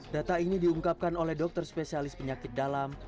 data ini diungkapkan oleh dokter spesialis penyakit dalam